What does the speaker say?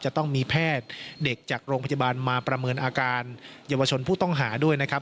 จะต้องมีแพทย์เด็กจากโรงพยาบาลมาประเมินอาการเยาวชนผู้ต้องหาด้วยนะครับ